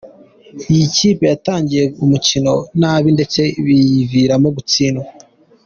Iyi kipe yatangiye umukino nabi ndetse biyiviramo gutsindwa.